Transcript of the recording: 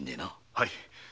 はい。